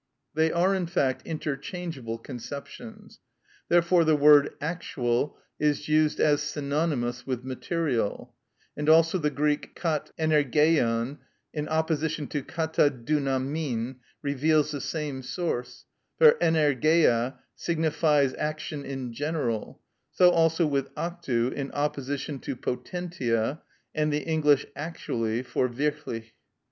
They are in fact interchangeable conceptions. Therefore the word "actual" is used as synonymous with "material;" and also the Greek κατ᾽ ενεργειαν, in opposition to κατα δυναμιν, reveals the same source, for ενεργεια signifies action in general; so also with actu in opposition to potentia, and the English "actually" for "wirklich."